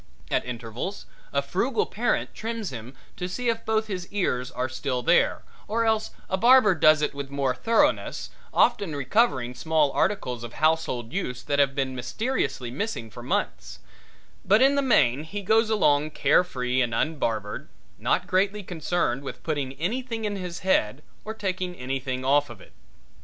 At intervals a frugal parent trims him to see if both his ears are still there, or else a barber does it with more thoroughness, often recovering small articles of household use that have been mysteriously missing for months; but in the main he goes along carefree and unbarbered, not greatly concerned with putting anything in his head or taking anything off of it.